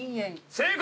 正解。